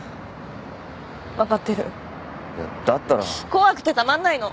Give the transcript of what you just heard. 怖くてたまんないの。